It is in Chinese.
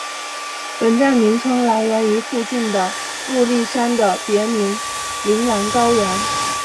本站名称来源于附近的入笠山的别名铃兰高原。